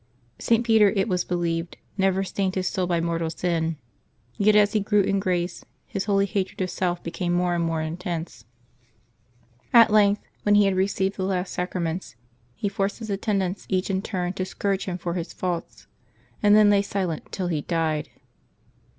St. Peter, it was believed, never July 6] LIVES OF THE SAINTS 239 stained his soul by mortal sin; yet as he grew in grace his holy hatred of self became more and more intense. At length, when he had received the last sacraments, he forced his attendants each in turn to scourge him for his faults, and then lay silent till he died.